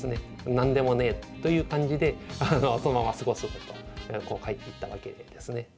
「なんでもねー！」という感じでそのまますごすごと帰っていったわけですね。